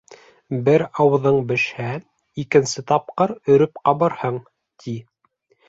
Бер ауыҙың бешһә, икенсе тапҡыр өрөп ҡабырһың, ти.